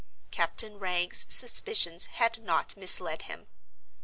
Captain Wragge's suspicions had not misled him.